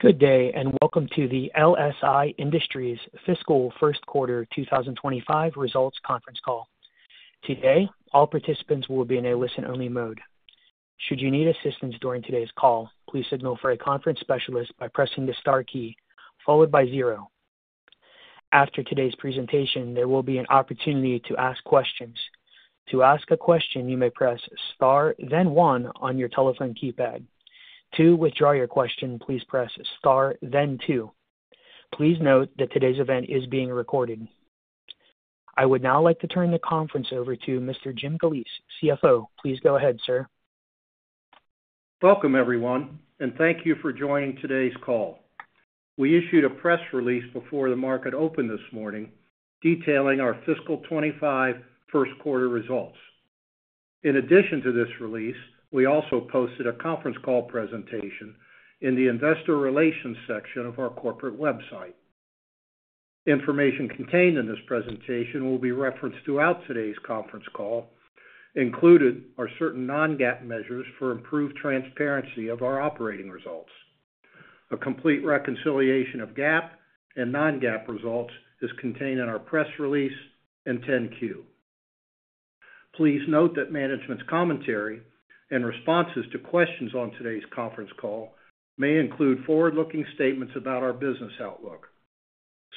Good day, and welcome to the LSI Industries Fiscal First Quarter 2025 Results Conference Call. Today, all participants will be in a listen-only mode. Should you need assistance during today's call, please signal for a conference specialist by pressing the star key followed by zero. After today's presentation, there will be an opportunity to ask questions. To ask a question, you may press star, then one on your telephone keypad. To withdraw your question, please press star, then two. Please note that today's event is being recorded. I would now like to turn the conference over to Mr. Jim Galeese, CFO. Please go ahead, sir. Welcome, everyone, and thank you for joining today's call. We issued a press release before the market opened this morning detailing our Fiscal 2025 First Quarter results. In addition to this release, we also posted a conference call presentation in the investor relations section of our corporate website. Information contained in this presentation will be referenced throughout today's conference call. Included are certain non-GAAP measures for improved transparency of our operating results. A complete reconciliation of GAAP and non-GAAP results is contained in our press release and 10-Q. Please note that management's commentary and responses to questions on today's conference call may include forward-looking statements about our business outlook.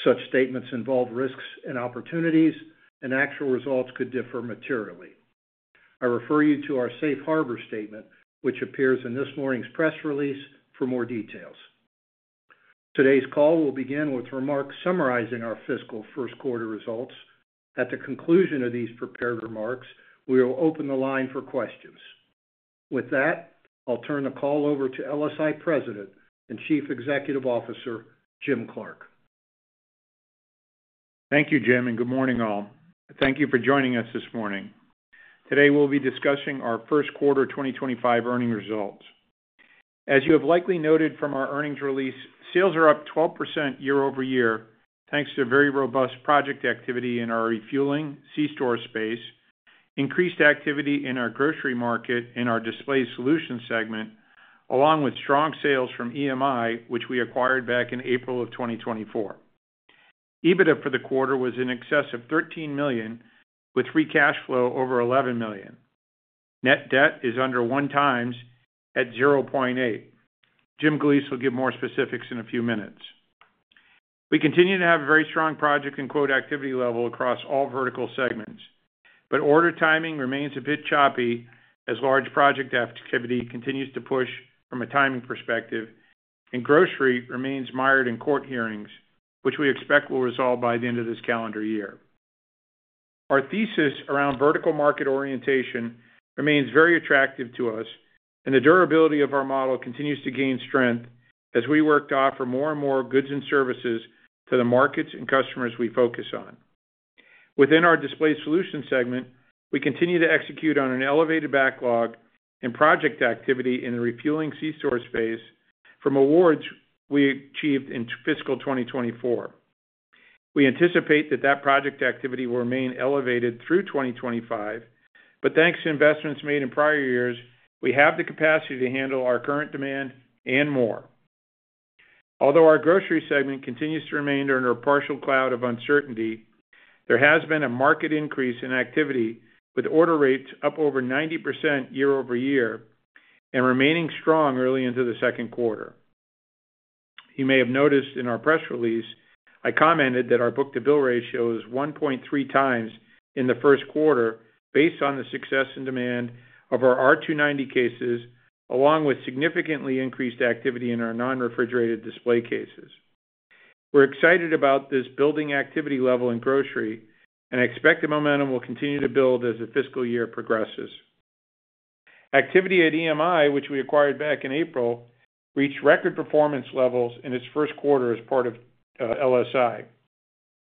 Such statements involve risks and opportunities, and actual results could differ materially. I refer you to our Safe Harbor Statement, which appears in this morning's press release for more details. Today's call will begin with remarks summarizing our Fiscal First Quarter results. At the conclusion of these prepared remarks, we will open the line for questions. With that, I'll turn the call over to LSI President and Chief Executive Officer, Jim Clark. Thank you, Jim, and good morning, all. Thank you for joining us this morning. Today, we'll be discussing our First Quarter 2025 earnings results. As you have likely noted from our earnings release, sales are up 12% year over year thanks to very robust project activity in our refueling C-Store space, increased activity in our grocery market, and our display solution segment, along with strong sales from EMI, which we acquired back in April of 2024. EBITDA for the quarter was in excess of $13 million, with free cash flow over $11 million. Net debt is under one times at 0.8. Jim Galeese will give more specifics in a few minutes. We continue to have a very strong project and quote activity level across all vertical segments, but order timing remains a bit choppy as large project activity continues to push from a timing perspective, and grocery remains mired in court hearings, which we expect will resolve by the end of this calendar year. Our thesis around vertical market orientation remains very attractive to us, and the durability of our model continues to gain strength as we work to offer more and more goods and services to the markets and customers we focus on. Within our display solution segment, we continue to execute on an elevated backlog in project activity in the refueling C-Store space from awards we achieved in Fiscal 2024. We anticipate that project activity will remain elevated through 2025, but thanks to investments made in prior years, we have the capacity to handle our current demand and more. Although our grocery segment continues to remain under a partial cloud of uncertainty, there has been a marked increase in activity, with order rates up over 90% year over year and remaining strong early into the second quarter. You may have noticed in our press release, I commented that our book-to-bill ratio is 1.3 times in the first quarter based on the success and demand of our R290 cases, along with significantly increased activity in our non-refrigerated display cases. We're excited about this building activity level in grocery, and I expect the momentum will continue to build as the fiscal year progresses. Activity at EMI, which we acquired back in April, reached record performance levels in its first quarter as part of LSI.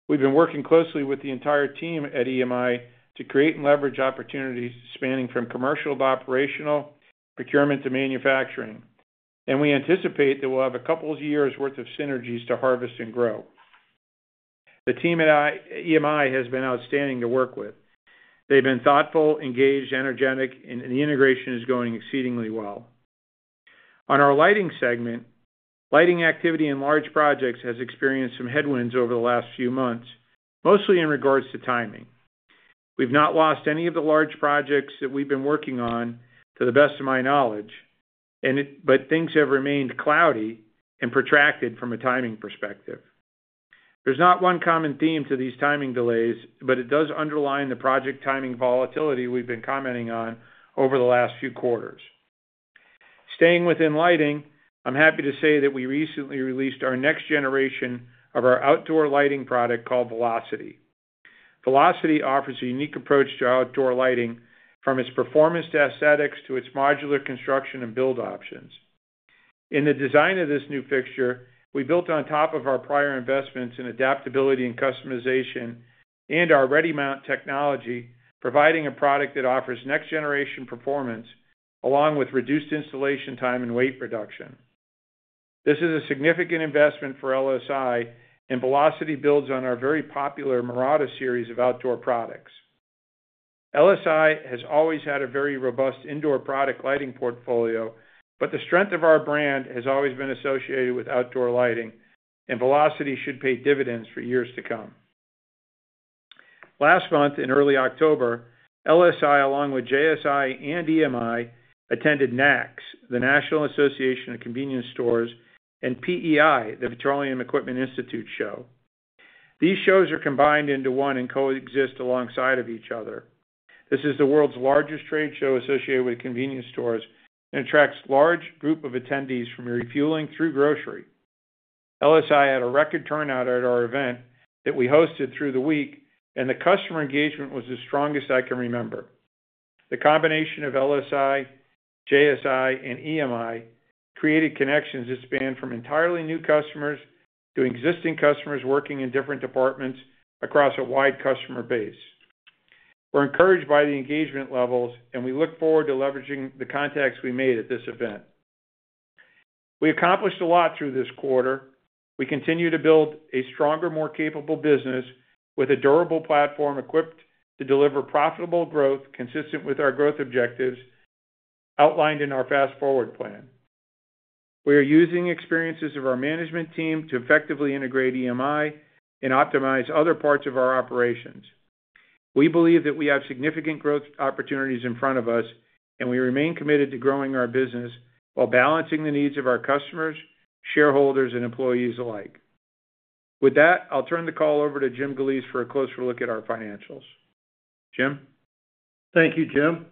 We've been working closely with the entire team at EMI to create and leverage opportunities spanning from commercial to operational, procurement to manufacturing, and we anticipate that we'll have a couple of years' worth of synergies to harvest and grow. The team at EMI has been outstanding to work with. They've been thoughtful, engaged, energetic, and the integration is going exceedingly well. On our lighting segment, lighting activity in large projects has experienced some headwinds over the last few months, mostly in regards to timing. We've not lost any of the large projects that we've been working on to the best of my knowledge, but things have remained cloudy and protracted from a timing perspective. There's not one common theme to these timing delays, but it does underline the project timing volatility we've been commenting on over the last few quarters. Staying within lighting, I'm happy to say that we recently released our next generation of our outdoor lighting product called Velocity. Velocity offers a unique approach to outdoor lighting from its performance to aesthetics to its modular construction and build options. In the design of this new fixture, we built on top of our prior investments in adaptability and customization and our Redi-Mount technology, providing a product that offers next-generation performance along with reduced installation time and weight reduction. This is a significant investment for LSI, and Velocity builds on our very popular Mirada Series of outdoor products. LSI has always had a very robust indoor product lighting portfolio, but the strength of our brand has always been associated with outdoor lighting, and Velocity should pay dividends for years to come. Last month, in early October, LSI, along with JSI and EMI, attended NACS, the National Association of Convenience Stores, and PEI, the Petroleum Equipment Institute show. These shows are combined into one and coexist alongside of each other. This is the world's largest trade show associated with convenience stores and attracts a large group of attendees from refueling through grocery. LSI had a record turnout at our event that we hosted through the week, and the customer engagement was as strong as I can remember. The combination of LSI, JSI, and EMI created connections that spanned from entirely new customers to existing customers working in different departments across a wide customer base. We're encouraged by the engagement levels, and we look forward to leveraging the contacts we made at this event. We accomplished a lot through this quarter. We continue to build a stronger, more capable business with a durable platform equipped to deliver profitable growth consistent with our growth objectives outlined in our Fast-Forward Plan. We are using experiences of our management team to effectively integrate EMI and optimize other parts of our operations. We believe that we have significant growth opportunities in front of us, and we remain committed to growing our business while balancing the needs of our customers, shareholders, and employees alike. With that, I'll turn the call over to Jim Galeese for a closer look at our financials. Jim? Thank you, Jim.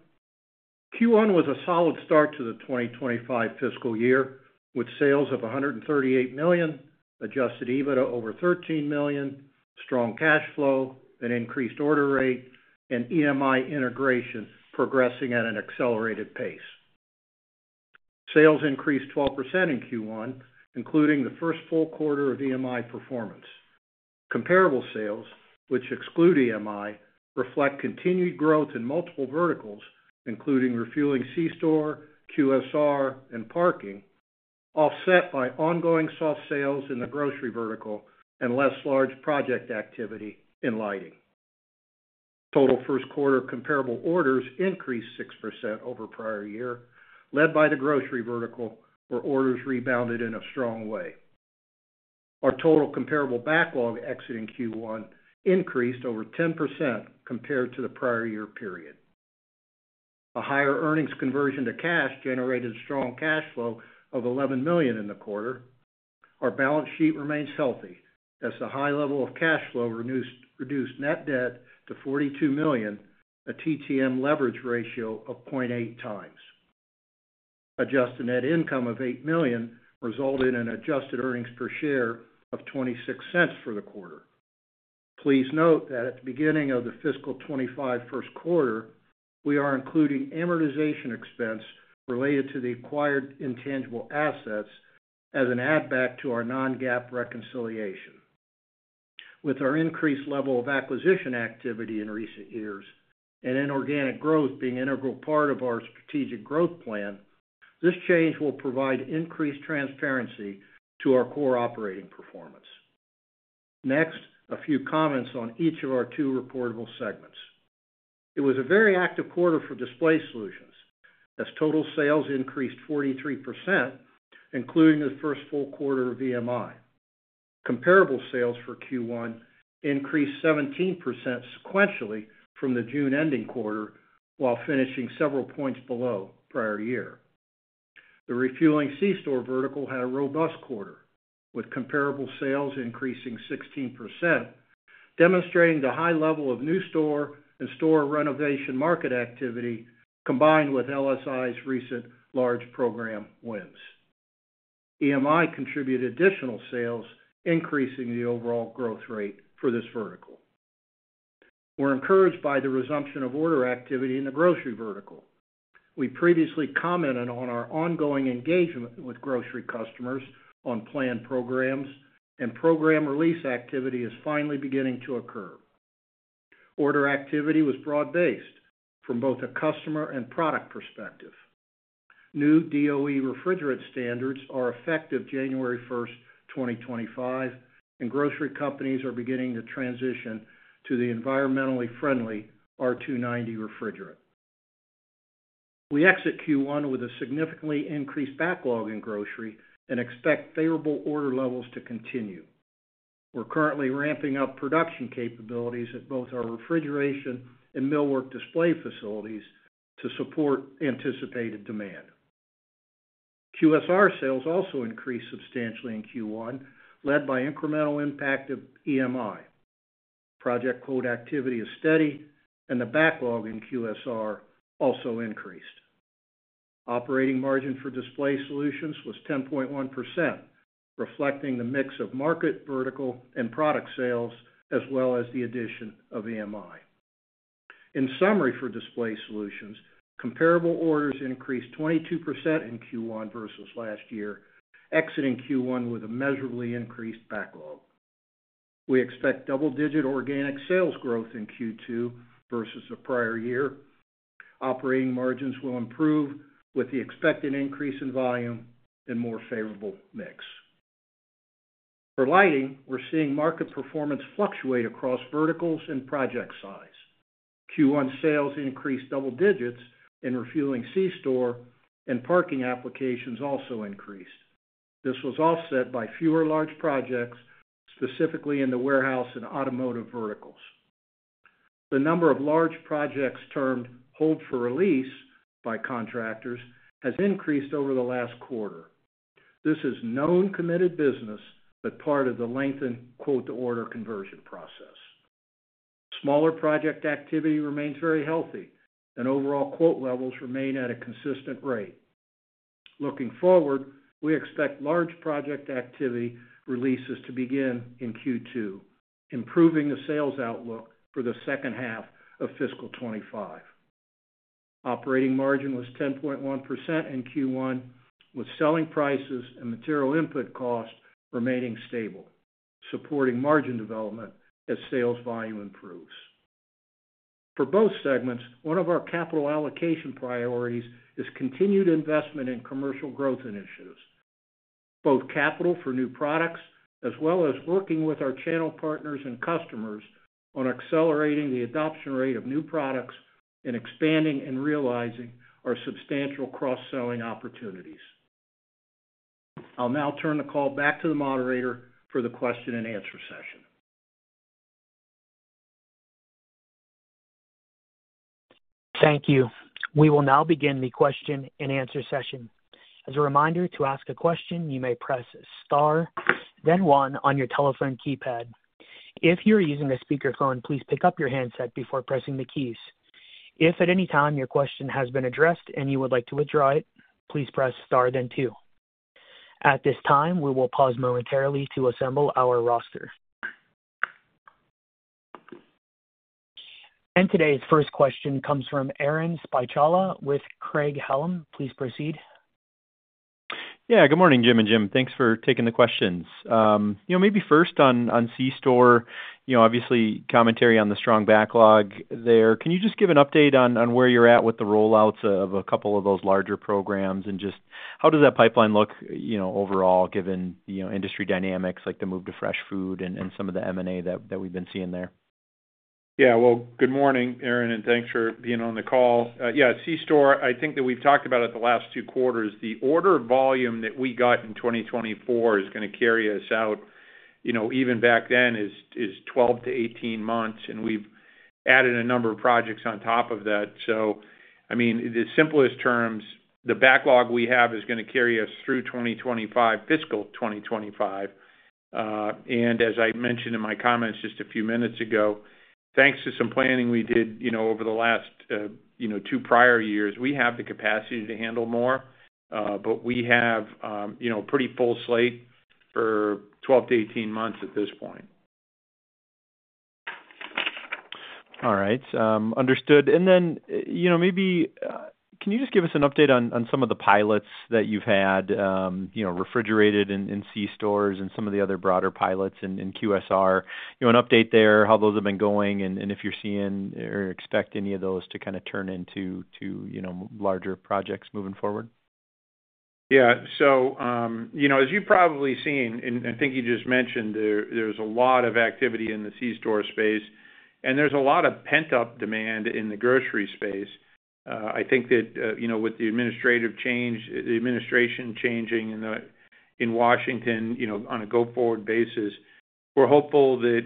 Q1 was a solid start to the 2025 fiscal year with sales of $138 million, adjusted EBITDA over $13 million, strong cash flow, an increased order rate, and EMI integration progressing at an accelerated pace. Sales increased 12% in Q1, including the first full quarter of EMI performance. Comparable sales, which exclude EMI, reflect continued growth in multiple verticals, including refueling C-Store, QSR, and parking, offset by ongoing soft sales in the grocery vertical and less large project activity in lighting. Total first quarter comparable orders increased 6% over prior year, led by the grocery vertical, where orders rebounded in a strong way. Our total comparable backlog exiting Q1 increased over 10% compared to the prior year period. A higher earnings conversion to cash generated strong cash flow of $11 million in the quarter. Our balance sheet remains healthy as the high level of cash flow reduced net debt to $42 million, a TTM leverage ratio of 0.8 times. Adjusted net income of $8 million resulted in adjusted earnings per share of $0.26 for the quarter. Please note that at the beginning of the Fiscal 2025 First Quarter, we are including amortization expense related to the acquired intangible assets as an add-back to our non-GAAP reconciliation. With our increased level of acquisition activity in recent years and inorganic growth being an integral part of our strategic growth plan, this change will provide increased transparency to our core operating performance. Next, a few comments on each of our two reportable segments. It was a very active quarter for display solutions as total sales increased 43%, including the first full quarter of EMI. Comparable sales for Q1 increased 17% sequentially from the June ending quarter, while finishing several points below prior year. The refueling C-Store vertical had a robust quarter, with comparable sales increasing 16%, demonstrating the high level of new store and store renovation market activity combined with LSI's recent large program wins. EMI contributed additional sales, increasing the overall growth rate for this vertical. We're encouraged by the resumption of order activity in the grocery vertical. We previously commented on our ongoing engagement with grocery customers on planned programs, and program release activity is finally beginning to occur. Order activity was broad-based from both a customer and product perspective. New DOE refrigerant standards are effective January 1st, 2025, and grocery companies are beginning to transition to the environmentally friendly R290 refrigerant. We exit Q1 with a significantly increased backlog in grocery and expect favorable order levels to continue. We're currently ramping up production capabilities at both our refrigeration and millwork display facilities to support anticipated demand. QSR sales also increased substantially in Q1, led by incremental impact of EMI. Project quote activity is steady, and the backlog in QSR also increased. Operating margin for display solutions was 10.1%, reflecting the mix of market, vertical, and product sales as well as the addition of EMI. In summary for display solutions, comparable orders increased 22% in Q1 versus last year, exiting Q1 with a measurably increased backlog. We expect double-digit organic sales growth in Q2 versus the prior year. Operating margins will improve with the expected increase in volume and more favorable mix. For lighting, we're seeing market performance fluctuate across verticals and project size. Q1 sales increased double digits in refueling C-Store, and parking applications also increased. This was offset by fewer large projects, specifically in the warehouse and automotive verticals. The number of large projects termed hold for release by contractors has increased over the last quarter. This is known committed business, but part of the lengthened quote-to-order conversion process. Smaller project activity remains very healthy, and overall quote levels remain at a consistent rate. Looking forward, we expect large project activity releases to begin in Q2, improving the sales outlook for the second half of Fiscal 2025. Operating margin was 10.1% in Q1, with selling prices and material input costs remaining stable, supporting margin development as sales volume improves. For both segments, one of our capital allocation priorities is continued investment in commercial growth initiatives, both capital for new products as well as working with our channel partners and customers on accelerating the adoption rate of new products and expanding and realizing our substantial cross-selling opportunities. I'll now turn the call back to the moderator for the question and answer session. Thank you. We will now begin the question and answer session. As a reminder, to ask a question, you may press star, then one on your telephone keypad. If you're using a speakerphone, please pick up your handset before pressing the keys. If at any time your question has been addressed and you would like to withdraw it, please press star, then two. At this time, we will pause momentarily to assemble our roster. Today's first question comes from Aaron Spychalla. Please proceed. Yeah, good morning, Jim and Jim. Thanks for taking the questions. Maybe first on C-Store, obviously commentary on the strong backlog there. Can you just give an update on where you're at with the rollouts of a couple of those larger programs and just how does that pipeline look overall given industry dynamics like the move to fresh food and some of the M&A that we've been seeing there? Yeah, well, good morning, Aaron, and thanks for being on the call. Yeah, C-store, I think that we've talked about it the last two quarters. The order volume that we got in 2024 is going to carry us out, even back then, is 12 to 18 months, and we've added a number of projects on top of that. So, I mean, the simplest terms, the backlog we have is going to carry us through fiscal 2025. And as I mentioned in my comments just a few minutes ago, thanks to some planning we did over the last two prior years, we have the capacity to handle more, but we have a pretty full slate for 12 to 18 months at this point. All right. Understood. And then maybe can you just give us an update on some of the pilots that you've had, refrigerated and C-stores and some of the other broader pilots in QSR? An update there, how those have been going, and if you're seeing or expect any of those to kind of turn into larger projects moving forward? Yeah. So, as you've probably seen, and I think you just mentioned, there's a lot of activity in the C-store space, and there's a lot of pent-up demand in the grocery space. I think that with the administrative change, the administration changing in Washington on a go-forward basis, we're hopeful that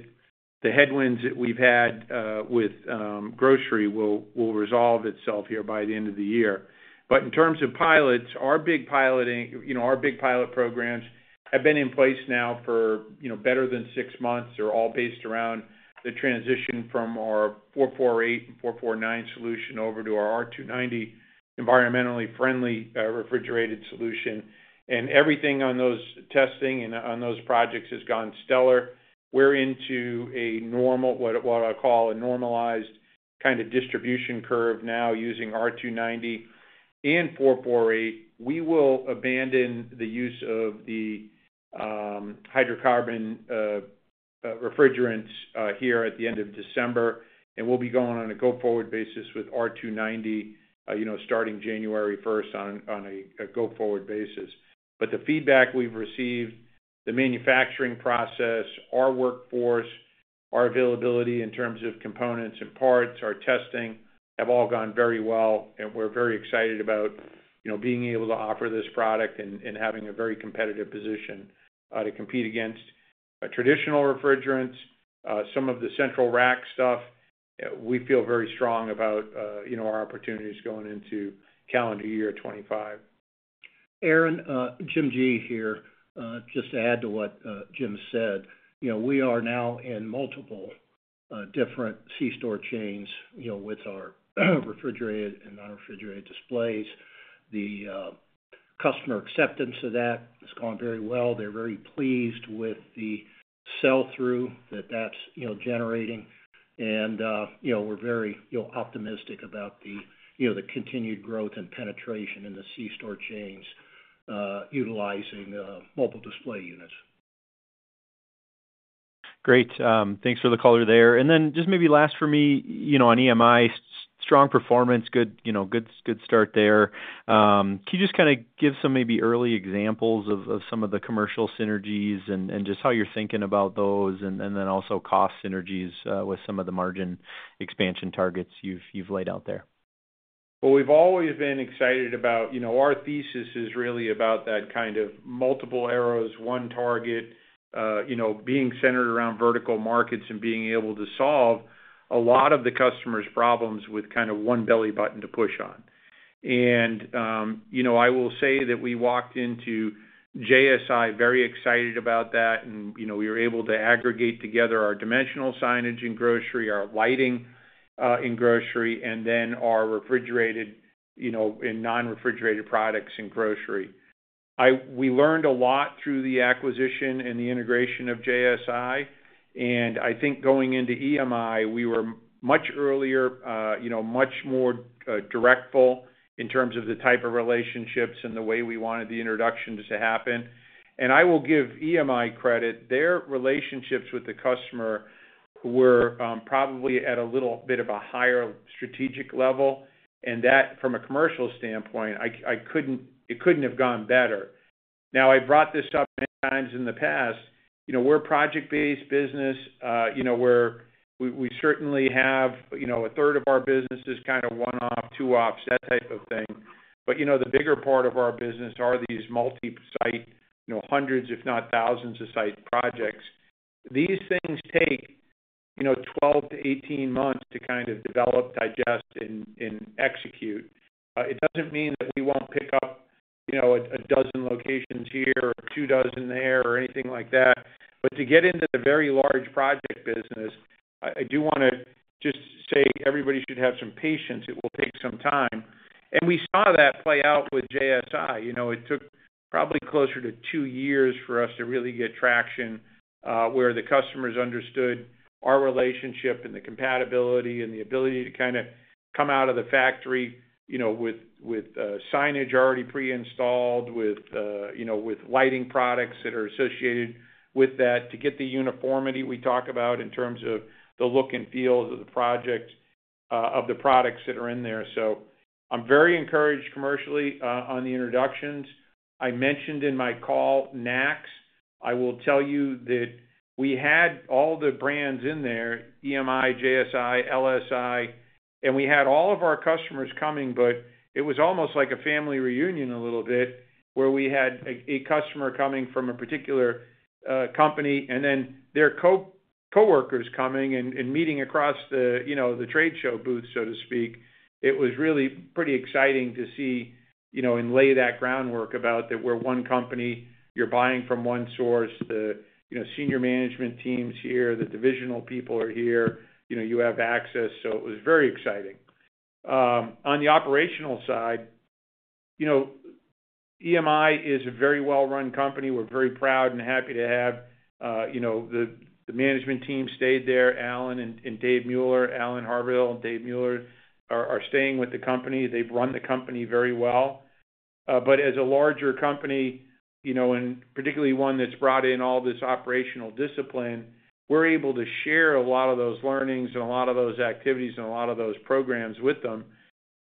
the headwinds that we've had with grocery will resolve itself here by the end of the year. But in terms of pilots, our big pilot programs have been in place now for better than six months. They're all based around the transition from our 448 and 449 solution over to our R290 environmentally friendly refrigerated solution. And everything on those testing and on those projects has gone stellar. We're into a normal, what I call a normalized kind of distribution curve now using R290 and 448. We will abandon the use of the hydrocarbon refrigerants here at the end of December, and we'll be going on a go-forward basis with R290 starting January 1st on a go-forward basis. But the feedback we've received, the manufacturing process, our workforce, our availability in terms of components and parts, our testing have all gone very well, and we're very excited about being able to offer this product and having a very competitive position to compete against traditional refrigerants, some of the central rack stuff. We feel very strong about our opportunities going into calendar year 2025. Aaron, Jim Galeese here. Just to add to what Jim said, we are now in multiple different C-store chains with our refrigerated and non-refrigerated displays. The customer acceptance of that has gone very well. They're very pleased with the sell-through that that's generating. And we're very optimistic about the continued growth and penetration in the C-store chains utilizing mobile display units. Great. Thanks for the color there. And then just maybe last for me on EMI, strong performance, good start there. Can you just kind of give some maybe early examples of some of the commercial synergies and just how you're thinking about those, and then also cost synergies with some of the margin expansion targets you've laid out there? We've always been excited about our thesis is really about that kind of multiple arrows, one target, being centered around vertical markets and being able to solve a lot of the customer's problems with kind of one belly button to push on. And I will say that we walked into JSI very excited about that, and we were able to aggregate together our dimensional signage in grocery, our lighting in grocery, and then our refrigerated and non-refrigerated products in grocery. We learned a lot through the acquisition and the integration of JSI. And I think going into EMI, we were much earlier, much more directful in terms of the type of relationships and the way we wanted the introduction to happen. And I will give EMI credit. Their relationships with the customer were probably at a little bit of a higher strategic level. And that, from a commercial standpoint, it couldn't have gone better. Now, I brought this up many times in the past. We're a project-based business. We certainly have a third of our business is kind of one-off, two-offs, that type of thing. But the bigger part of our business are these multi-site, hundreds, if not thousands of site projects. These things take 12-18 months to kind of develop, digest, and execute. It doesn't mean that we won't pick up a dozen locations here or two dozen there or anything like that. But to get into the very large project business, I do want to just say everybody should have some patience. It will take some time. And we saw that play out with JSI. It took probably closer to two years for us to really get traction where the customers understood our relationship and the compatibility and the ability to kind of come out of the factory with signage already pre-installed, with lighting products that are associated with that to get the uniformity we talk about in terms of the look and feel of the products that are in there. So I'm very encouraged commercially on the introductions. I mentioned in my call NACS. I will tell you that we had all the brands in there, EMI, JSI, LSI, and we had all of our customers coming, but it was almost like a family reunion a little bit where we had a customer coming from a particular company and then their coworkers coming and meeting across the trade show booth, so to speak. It was really pretty exciting to see and lay that groundwork about that we're one company. You're buying from one source. The senior management team's here. The divisional people are here. You have access. So it was very exciting. On the operational side, EMI is a very well-run company. We're very proud and happy to have the management team stayed there. Alan and Dave Mueller, Alan Harvill and Dave Mueller are staying with the company. They've run the company very well. But as a larger company, and particularly one that's brought in all this operational discipline, we're able to share a lot of those learnings and a lot of those activities and a lot of those programs with them.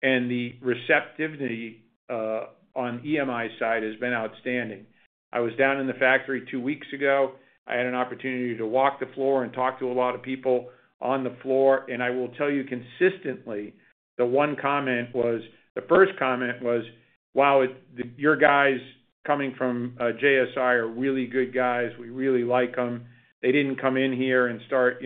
And the receptivity on EMI's side has been outstanding. I was down in the factory two weeks ago. I had an opportunity to walk the floor and talk to a lot of people on the floor. I will tell you consistently, the one comment was, the first comment was, "Wow, your guys coming from JSI are really good guys. We really like them. They didn't come in here and start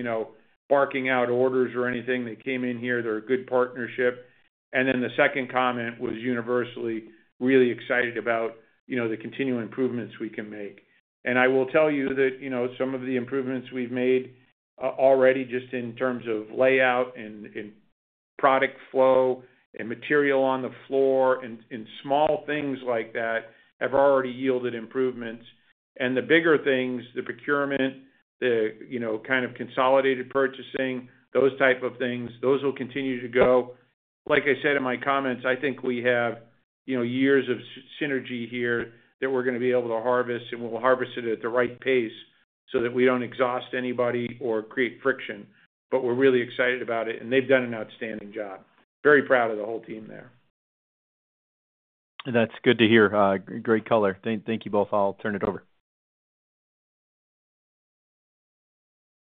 barking out orders or anything. They came in here. They're a good partnership." Then the second comment was universally really excited about the continuing improvements we can make. I will tell you that some of the improvements we've made already just in terms of layout and product flow and material on the floor and small things like that have already yielded improvements. The bigger things, the procurement, the kind of consolidated purchasing, those type of things, those will continue to go. Like I said in my comments, I think we have years of synergy here that we're going to be able to harvest, and we'll harvest it at the right pace so that we don't exhaust anybody or create friction. But we're really excited about it, and they've done an outstanding job. Very proud of the whole team there. That's good to hear. Great color. Thank you both. I'll turn it over.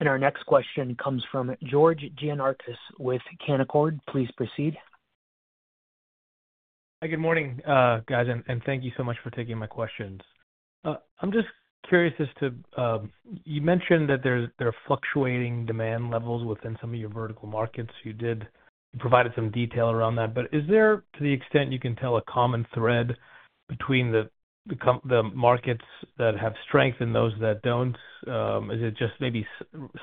Our next question comes from George Gianarikas with Canaccord. Please proceed. Hi, good morning, guys, and thank you so much for taking my questions. I'm just curious as to, you mentioned that there are fluctuating demand levels within some of your vertical markets. You provided some detail around that. But is there, to the extent you can tell, a common thread between the markets that have strength and those that don't? Is it just maybe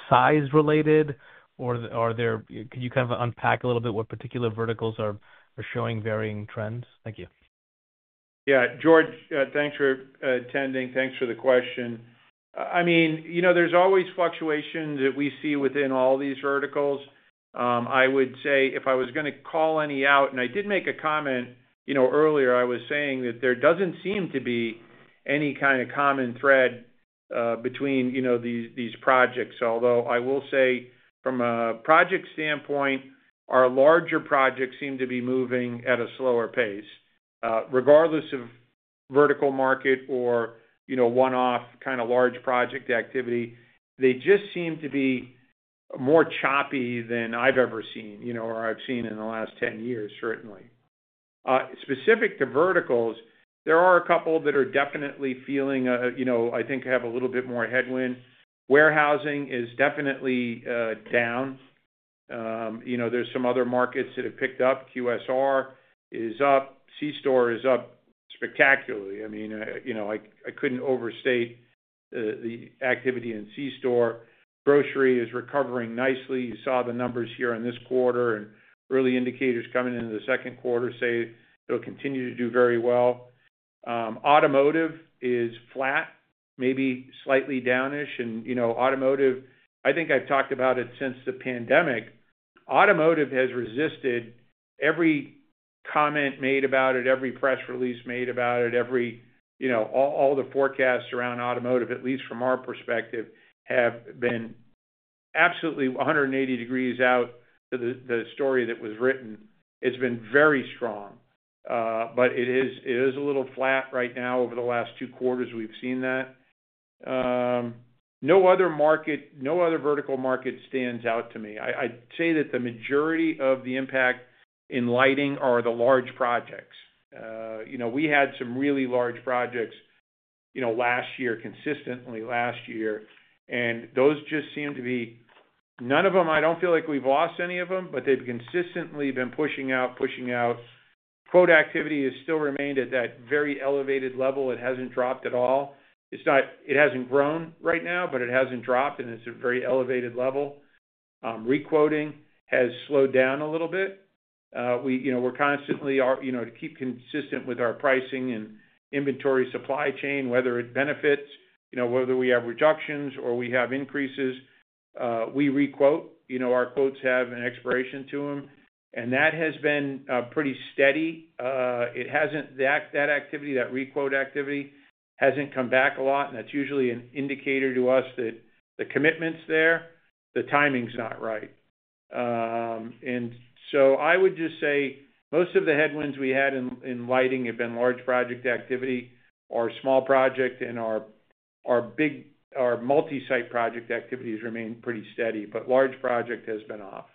size-related, or can you kind of unpack a little bit what particular verticals are showing varying trends? Thank you. Yeah. George, thanks for attending. Thanks for the question. I mean, there's always fluctuations that we see within all these verticals. I would say if I was going to call any out, and I did make a comment earlier, I was saying that there doesn't seem to be any kind of common thread between these projects. Although I will say from a project standpoint, our larger projects seem to be moving at a slower pace. Regardless of vertical market or one-off kind of large project activity, they just seem to be more choppy than I've ever seen or I've seen in the last 10 years, certainly. Specific to verticals, there are a couple that are definitely feeling, I think, have a little bit more headwind. Warehousing is definitely down. There's some other markets that have picked up. QSR is up. C-Store is up spectacularly. I mean, I couldn't overstate the activity in C-Store. Grocery is recovering nicely. You saw the numbers here in this quarter and early indicators coming into the second quarter say it'll continue to do very well. Automotive is flat, maybe slightly downish. And automotive, I think I've talked about it since the pandemic. Automotive has resisted every comment made about it, every press release made about it. All the forecasts around automotive, at least from our perspective, have been absolutely 180 degrees out to the story that was written. It's been very strong. But it is a little flat right now. Over the last two quarters, we've seen that. No other vertical market stands out to me. I'd say that the majority of the impact in lighting are the large projects. We had some really large projects last year, consistently last year. And those just seem to be none of them. I don't feel like we've lost any of them, but they've consistently been pushing out, pushing out. Quote activity has still remained at that very elevated level. It hasn't dropped at all. It hasn't grown right now, but it hasn't dropped, and it's a very elevated level. Requoting has slowed down a little bit. We're constantly to keep consistent with our pricing and inventory supply chain, whether it benefits, whether we have reductions or we have increases. We requote. Our quotes have an expiration to them. And that has been pretty steady. That activity, that requote activity hasn't come back a lot. And that's usually an indicator to us that the commitment's there. The timing's not right. And so I would just say most of the headwinds we had in lighting have been large project activity. Our small project and our multi-site project activities remain pretty steady, but large project has been off.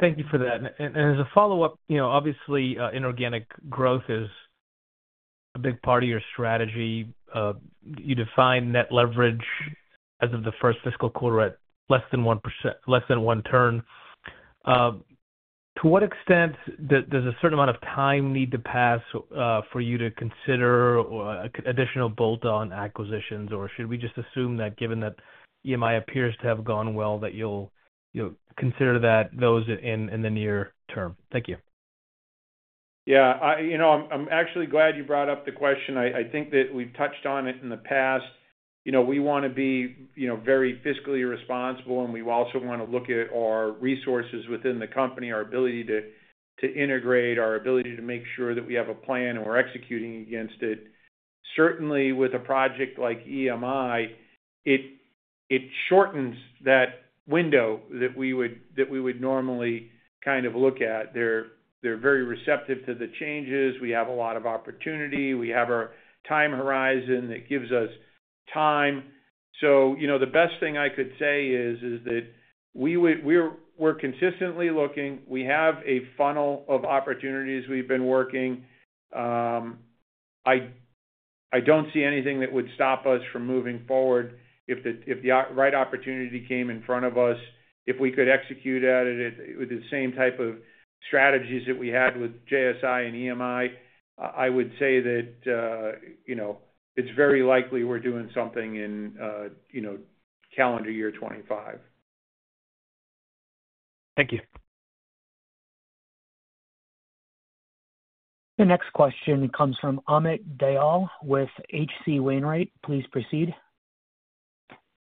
Thank you for that. And as a follow-up, obviously, inorganic growth is a big part of your strategy. You defined net leverage as of the first fiscal quarter at less than one turn. To what extent does a certain amount of time need to pass for you to consider additional bolt-on acquisitions, or should we just assume that given that EMI appears to have gone well, that you'll consider those in the near term? Thank you. Yeah. I'm actually glad you brought up the question. I think that we've touched on it in the past. We want to be very fiscally responsible, and we also want to look at our resources within the company, our ability to integrate, our ability to make sure that we have a plan and we're executing against it. Certainly, with a project like EMI, it shortens that window that we would normally kind of look at. They're very receptive to the changes. We have a lot of opportunity. We have our time horizon that gives us time. So the best thing I could say is that we're consistently looking. We have a funnel of opportunities we've been working. I don't see anything that would stop us from moving forward. If the right opportunity came in front of us, if we could execute at it with the same type of strategies that we had with JSI and EMI, I would say that it's very likely we're doing something in calendar year 2025. Thank you. The next question comes from Amit Dayal with H.C. Wainwright. Please proceed.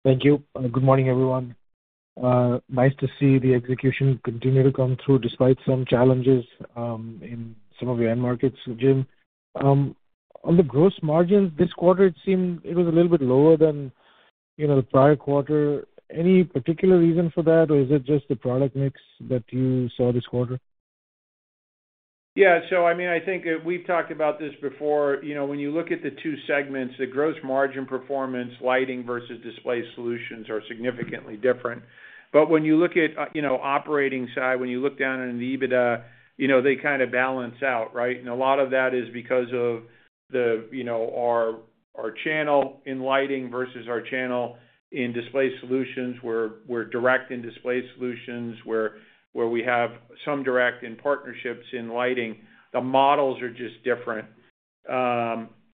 Thank you. Good morning, everyone. Nice to see the execution continue to come through despite some challenges in some of your end markets, Jim. On the gross margins, this quarter, it seemed it was a little bit lower than the prior quarter. Any particular reason for that, or is it just the product mix that you saw this quarter? Yeah. So I mean, I think we've talked about this before. When you look at the two segments, the gross margin performance, lighting versus display solutions are significantly different. But when you look at operating side, when you look down in the EBITDA, they kind of balance out, right? And a lot of that is because of our channel in lighting versus our channel in display solutions. We're direct in display solutions. We have some direct in partnerships in lighting. The models are just different.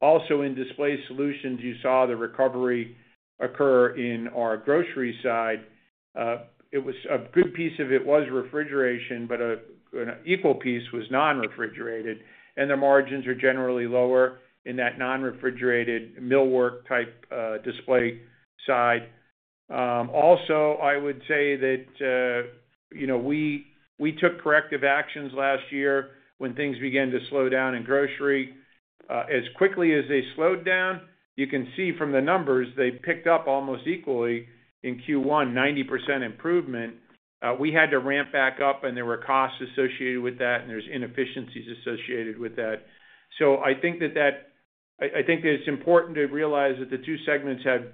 Also, in display solutions, you saw the recovery occur in our grocery side. A good piece of it was refrigeration, but an equal piece was non-refrigerated. And the margins are generally lower in that non-refrigerated millwork type display side. Also, I would say that we took corrective actions last year when things began to slow down in grocery. As quickly as they slowed down, you can see from the numbers they picked up almost equally in Q1, 90% improvement. We had to ramp back up, and there were costs associated with that, and there's inefficiencies associated with that. So I think that I think it's important to realize that the two segments have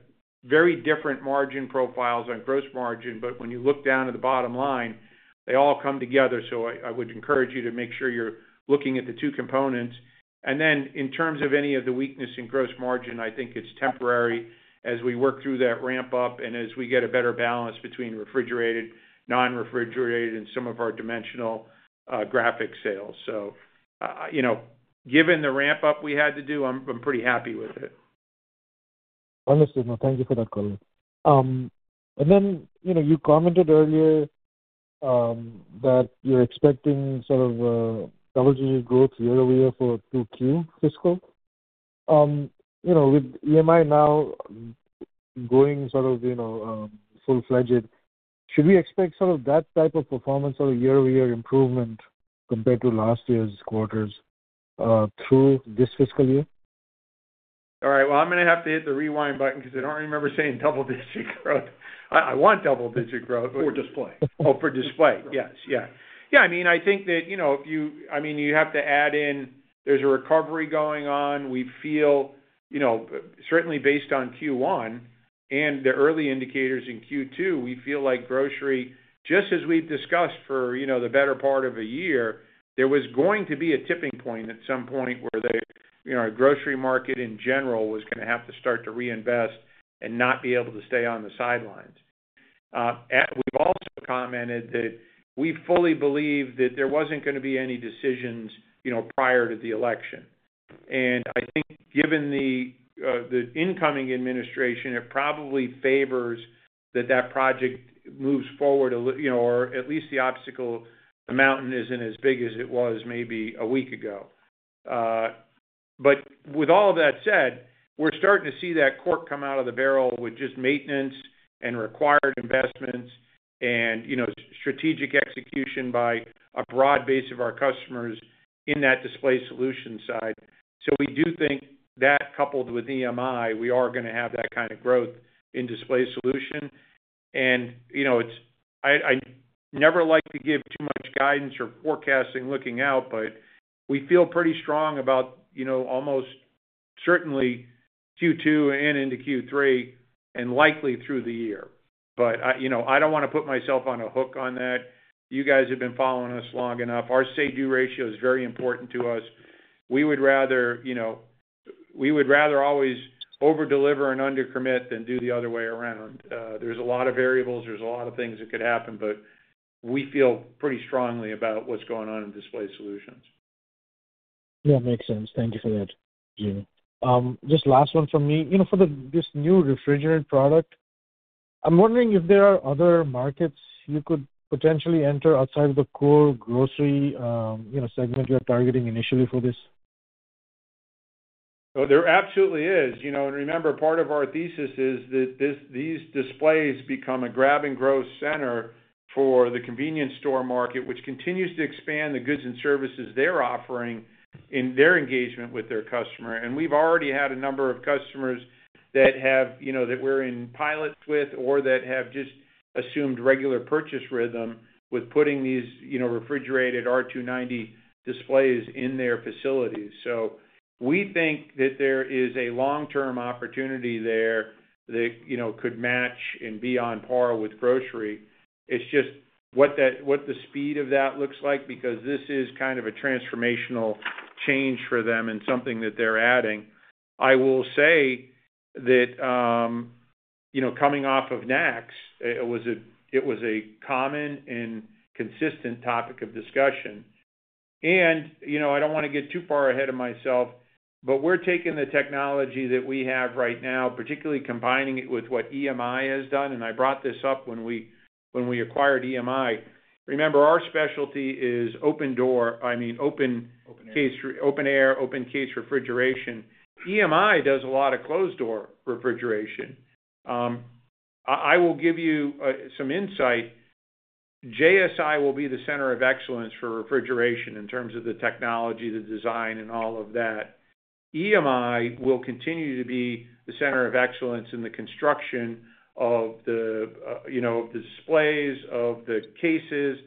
very different margin profiles on gross margin. But when you look down at the bottom line, they all come together. So I would encourage you to make sure you're looking at the two components. And then in terms of any of the weakness in gross margin, I think it's temporary as we work through that ramp-up and as we get a better balance between refrigerated, non-refrigerated, and some of our dimensional graphic sales. So given the ramp-up we had to do, I'm pretty happy with it. Understood. No, thank you for that comment. And then you commented earlier that you're expecting sort of double-digit growth year-over-year for Q2 fiscal. With EMI now going sort of full-fledged, should we expect sort of that type of performance or year-over-year improvement compared to last year's quarters through this fiscal year? All right. Well, I'm going to have to hit the rewind button because I don't remember saying double-digit growth. I want double-digit growth. For display. Oh, for display. Yes. Yeah. I mean, I think that if you I mean, you have to add in there's a recovery going on. We feel certainly based on Q1 and the early indicators in Q2, we feel like grocery, just as we've discussed for the better part of a year, there was going to be a tipping point at some point where the grocery market in general was going to have to start to reinvest and not be able to stay on the sidelines. We've also commented that we fully believe that there wasn't going to be any decisions prior to the election. And I think given the incoming administration, it probably favors that that project moves forward, or at least the obstacle mountain isn't as big as it was maybe a week ago. But with all of that said, we're starting to see that quarter come out of the barrel with just maintenance and required investments and strategic execution by a broad base of our customers in that display solution side. So we do think that coupled with EMI, we are going to have that kind of growth in display solution. And I never like to give too much guidance or forecasting looking out, but we feel pretty strong about almost certainly Q2 and into Q3 and likely through the year. But I don't want to put myself on a hook on that. You guys have been following us long enough. Our say-do ratio is very important to us. We would rather always overdeliver and undercommit than do the other way around. There's a lot of variables. There's a lot of things that could happen, but we feel pretty strongly about what's going on in display solutions. Yeah. Makes sense. Thank you for that, Jim. Just last one from me. For this new refrigerant product, I'm wondering if there are other markets you could potentially enter outside of the core grocery segment you're targeting initially for this? Oh, there absolutely is. And remember, part of our thesis is that these displays become a grab-and-go center for the convenience store market, which continues to expand the goods and services they're offering in their engagement with their customer. And we've already had a number of customers that we're in pilots with or that have just assumed regular purchase rhythm with putting these refrigerated R290 displays in their facilities. So we think that there is a long-term opportunity there that could match and be on par with grocery. It's just what the speed of that looks like because this is kind of a transformational change for them and something that they're adding. I will say that coming off of NACS, it was a common and consistent topic of discussion. And I don't want to get too far ahead of myself, but we're taking the technology that we have right now, particularly combining it with what EMI has done. And I brought this up when we acquired EMI. Remember, our specialty is open door - I mean, open - Open air. Open air, open case refrigeration. EMI does a lot of closed-door refrigeration. I will give you some insight. JSI will be the center of excellence for refrigeration in terms of the technology, the design, and all of that. EMI will continue to be the center of excellence in the construction of the displays, of the cases.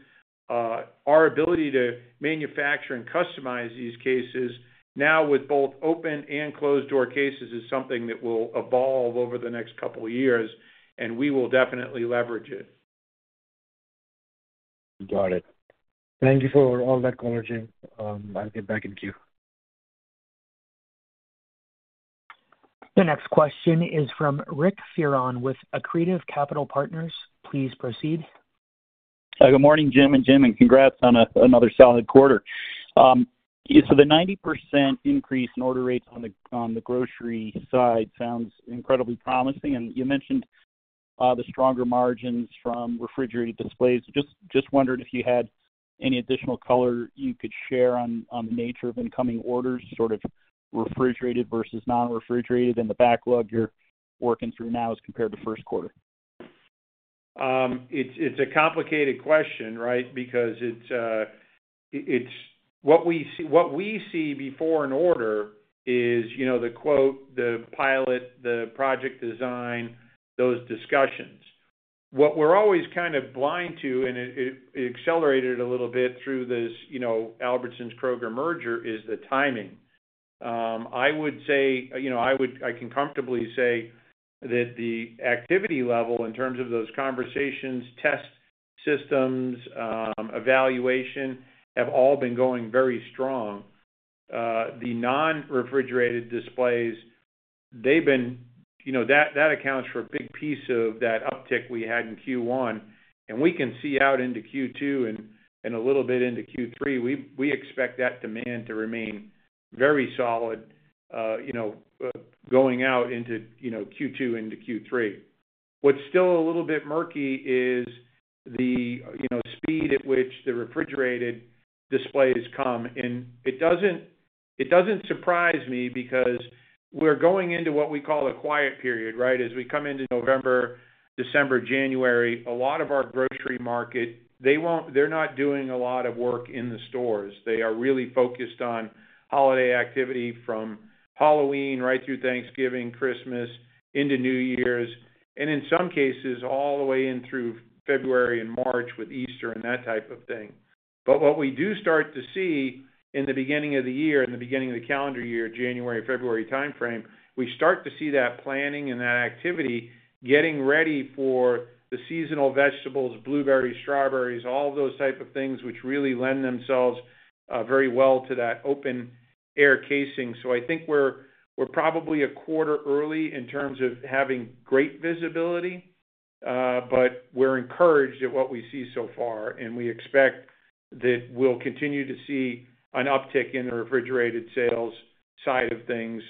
Our ability to manufacture and customize these cases now with both open and closed-door cases is something that will evolve over the next couple of years, and we will definitely leverage it. Got it. Thank you for all that, caller. Jim. I'll get back in queue. The next question is from Rick Fearon with Accretive Capital Partners. Please proceed. Good morning, Jim. And Jim, and congrats on another solid quarter. So the 90% increase in order rates on the grocery side sounds incredibly promising. And you mentioned the stronger margins from refrigerated displays. Just wondered if you had any additional color you could share on the nature of incoming orders, sort of refrigerated versus non-refrigerated, and the backlog you're working through now as compared to first quarter. It's a complicated question, right, because what we see before an order is the quote, the pilot, the project design, those discussions. What we're always kind of blind to, and it accelerated a little bit through this Albertsons-Kroger merger, is the timing. I would say I can comfortably say that the activity level in terms of those conversations, test systems, evaluation have all been going very strong. The non-refrigerated displays, they've been, that accounts for a big piece of that uptick we had in Q1, and we can see out into Q2 and a little bit into Q3. We expect that demand to remain very solid going out into Q2 into Q3. What's still a little bit murky is the speed at which the refrigerated displays come, and it doesn't surprise me because we're going into what we call a quiet period, right? As we come into November, December, January, a lot of our grocery market, they're not doing a lot of work in the stores. They are really focused on holiday activity from Halloween right through Thanksgiving, Christmas, into New Year's, and in some cases, all the way in through February and March with Easter and that type of thing. But what we do start to see in the beginning of the year, in the beginning of the calendar year, January and February timeframe, we start to see that planning and that activity getting ready for the seasonal vegetables, blueberries, strawberries, all of those types of things, which really lend themselves very well to that open-air casing. So I think we're probably a quarter early in terms of having great visibility, but we're encouraged at what we see so far. We expect that we'll continue to see an uptick in the refrigerated sales side of things.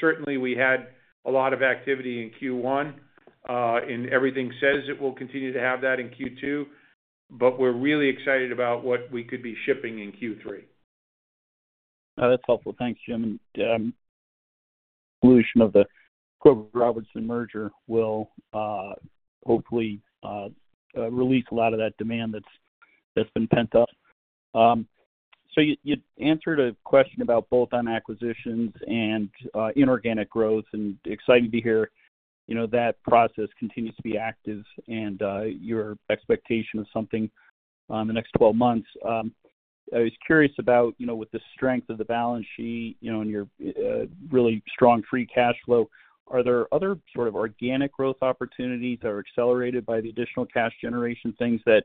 Certainly, we had a lot of activity in Q1, and everything says it will continue to have that in Q2, but we're really excited about what we could be shipping in Q3. That's helpful. Thanks, Jim. And the resolution of the Kroger-Albertsons merger will hopefully release a lot of that demand that's been pent up. So you answered a question about both on acquisitions and inorganic growth. And exciting to hear that process continues to be active and your expectation of something in the next 12 months. I was curious about with the strength of the balance sheet and your really strong free cash flow, are there other sort of organic growth opportunities that are accelerated by the additional cash generation things that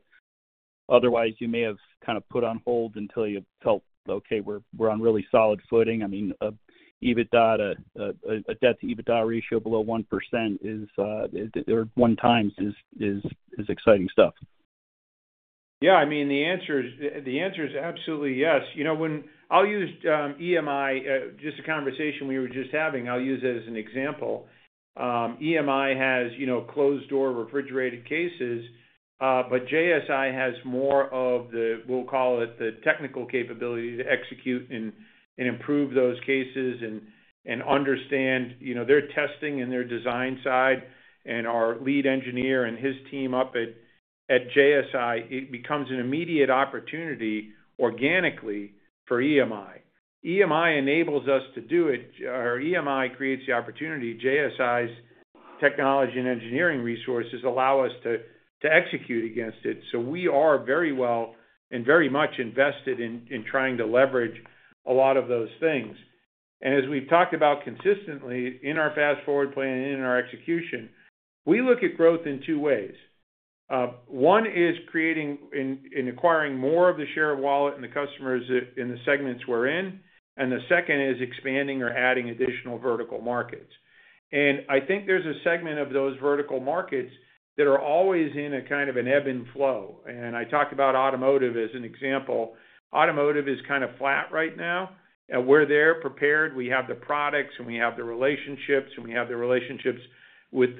otherwise you may have kind of put on hold until you felt, "Okay, we're on really solid footing"? I mean, a debt-to-EBITDA ratio below 1% or 1 times is exciting stuff. Yeah. I mean, the answer is absolutely yes. I'll use EMI, just a conversation we were just having, I'll use it as an example. EMI has closed-door refrigerated cases, but JSI has more of the, we'll call it the technical capability to execute and improve those cases and understand. They're testing in their design side. And our lead engineer and his team up at JSI, it becomes an immediate opportunity organically for EMI. EMI enables us to do it. Our EMI creates the opportunity. JSI's technology and engineering resources allow us to execute against it. So we are very well and very much invested in trying to leverage a lot of those things. And as we've talked about consistently in our Fast-Forward Plan and in our execution, we look at growth in two ways. One is creating and acquiring more of the share of wallet and the customers in the segments we're in. And the second is expanding or adding additional vertical markets. And I think there's a segment of those vertical markets that are always in a kind of an ebb and flow. And I talked about automotive as an example. Automotive is kind of flat right now. We're there prepared. We have the products, and we have the relationships, and we have the relationships with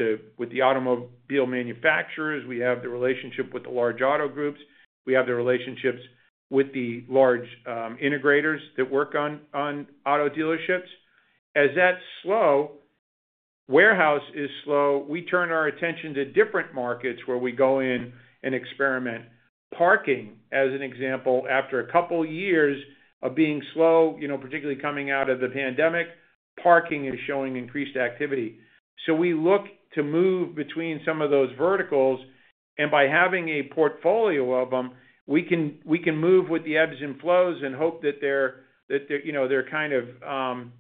the automobile manufacturers. We have the relationship with the large auto groups. We have the relationships with the large integrators that work on auto dealerships. As that's slow, warehouse is slow. We turn our attention to different markets where we go in and experiment. Parking, as an example, after a couple of years of being slow, particularly coming out of the pandemic, parking is showing increased activity. So we look to move between some of those verticals. And by having a portfolio of them, we can move with the ebbs and flows and hope that they're kind of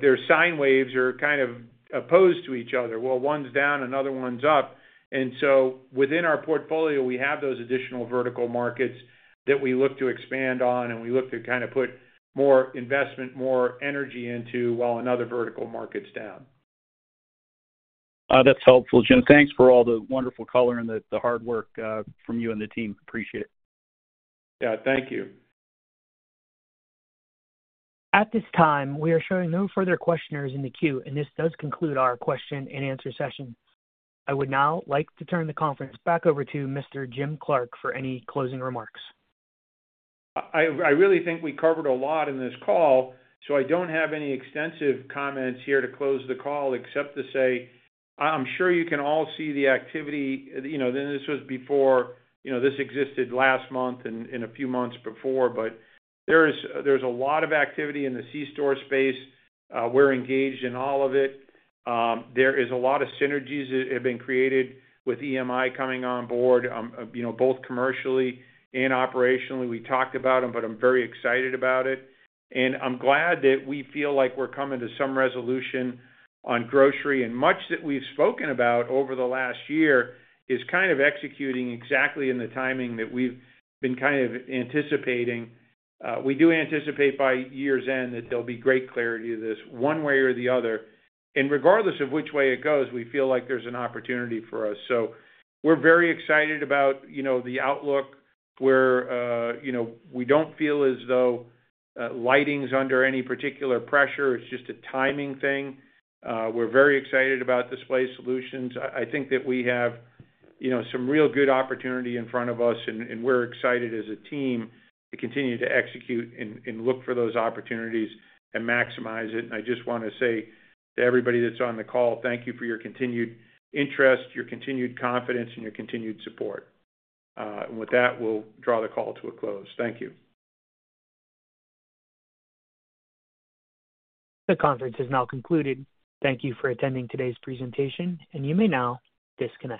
their sine waves are kind of opposed to each other. Well, one's down, another one's up. And so within our portfolio, we have those additional vertical markets that we look to expand on, and we look to kind of put more investment, more energy into while another vertical market's down. That's helpful, Jim. Thanks for all the wonderful color and the hard work from you and the team. Appreciate it. Yeah. Thank you. At this time, we are showing no further questioners in the queue, and this does conclude our question and answer session. I would now like to turn the conference back over to Mr. Jim Clark for any closing remarks. I really think we covered a lot in this call, so I don't have any extensive comments here to close the call except to say I'm sure you can all see the activity. This was before this existed last month and a few months before, but there's a lot of activity in the C-Store space. We're engaged in all of it. There is a lot of synergies that have been created with EMI coming on board, both commercially and operationally. We talked about them, but I'm very excited about it, and I'm glad that we feel like we're coming to some resolution on grocery, and much that we've spoken about over the last year is kind of executing exactly in the timing that we've been kind of anticipating. We do anticipate by year's end that there'll be great clarity of this one way or the other. Regardless of which way it goes, we feel like there's an opportunity for us. We're very excited about the outlook. We don't feel as though lighting's under any particular pressure. It's just a timing thing. We're very excited about display solutions. I think that we have some real good opportunity in front of us, and we're excited as a team to continue to execute and look for those opportunities and maximize it. I just want to say to everybody that's on the call, thank you for your continued interest, your continued confidence, and your continued support. With that, we'll draw the call to a close. Thank you. The conference is now concluded. Thank you for attending today's presentation, and you may now disconnect.